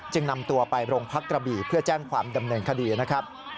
นำตัวไปโรงพักกระบี่เพื่อแจ้งความดำเนินคดีนะครับ